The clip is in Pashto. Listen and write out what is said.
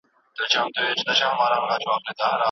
هغه د لومړۍ ښځې په لیدو وارخطا کیږي.